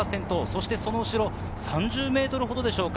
その後ろ、３０ｍほどでしょうか。